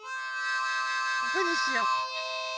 ここにしよう。